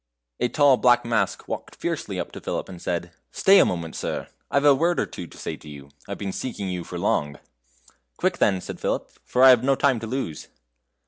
A tall black mask walked fiercely up to Philip, and said: "Stay a moment, sir; I've a word or two to say to you; I've been seeking for you long." "Quick, then," said Philip, "for I have no time to lose."